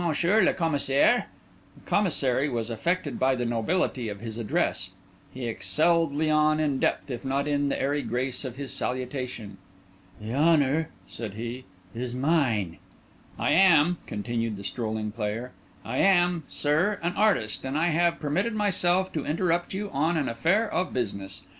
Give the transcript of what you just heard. le Commissaire?" The Commissary was affected by the nobility of his address. He excelled Léon in the depth if not in the airy grace of his salutation. "The honour," said he, "is mine!" "I am," continued the strolling player, "I am, sir, an artist, and I have permitted myself to interrupt you on an affair of business.